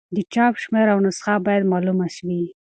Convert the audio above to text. د چاپ شمېر او نسخه باید معلومه وي.